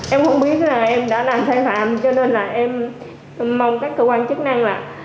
em không biết là em đã làm sai phạm cho nên là em mong các cơ quan chức năng là